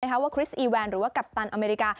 คริสอีแวนหรือว่ากัปตันอเมริกา